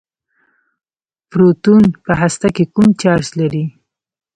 پروټون په هسته کې کوم چارچ لري.